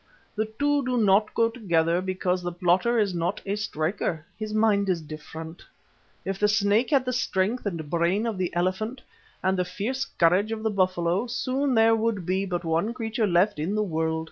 The two do not go together because the plotter is not a striker. His mind is different. If the snake had the strength and brain of the elephant, and the fierce courage of the buffalo, soon there would be but one creature left in the world.